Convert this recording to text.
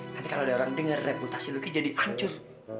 nanti kalau ada orang denger reputasi lu jadi hancur